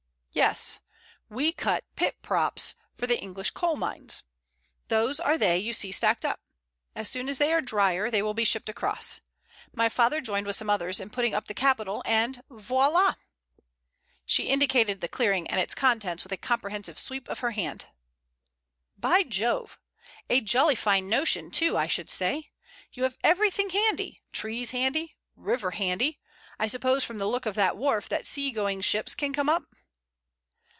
"Yes. We cut pit props for the English coal mines. Those are they you see stacked up. As soon as they are drier they will be shipped across. My father joined with some others in putting up the capital, and—voila!" She indicated the clearing and its contents with a comprehensive sweep of her hand. "By Jove! A jolly fine notion, too, I should say. You have everything handy—trees handy, river handy—I suppose from the look of that wharf that sea going ships can come up?"